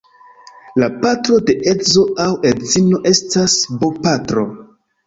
La patro de edzo aŭ edzino estas bopatro.